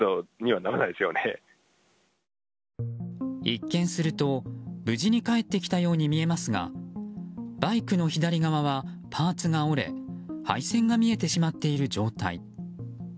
一見すると、無事に返ってきたように見えますがバイクの左側はパーツが折れ配線が見えてしまっている状態。